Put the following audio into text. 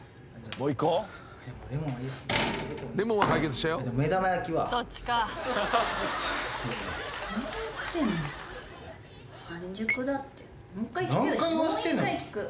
もう１回聞く。